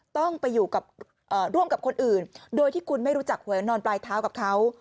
ต้องไปอยู่กับร่วมกับคนอื่นโดยที่คุณไม่รู้จักหวยนอนปลายเท้ากับเขา